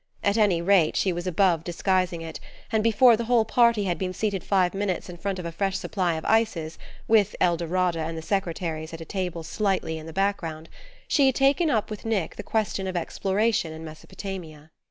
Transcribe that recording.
At any rate, she was above disguising it; and before the whole party had been seated five minutes in front of a fresh supply of ices (with Eldorada and the secretaries at a table slightly in the background) she had taken up with Nick the question of exploration in Mesopotamia.